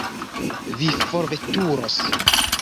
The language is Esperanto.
Vi forveturos?